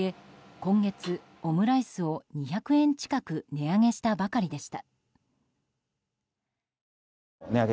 今月、オムライスを２００円近く値上げしたばかりでした。